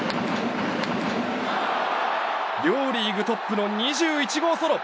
両リーグトップの２１号ソロ。